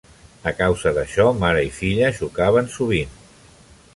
A causa d'això, mare i filla xocaven sovint.